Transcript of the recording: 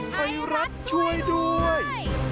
ไฮรักช่วยด้วย